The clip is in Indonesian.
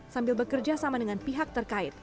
sambil bekerja sama dengan pihak terkait